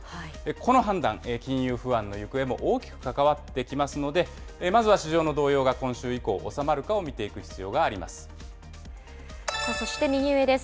この判断、金融不安の行方も大きく関わってきますので、まずは市場の動揺が今週以降、収まるかをそして右上です。